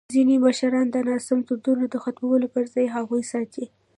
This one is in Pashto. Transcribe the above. ځینې مشران د ناسم دودونو د ختمولو پر ځای هغوی ساتي.